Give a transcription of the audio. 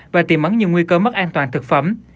và tiềm ấn những nguy cơ mất an toàn thực phẩm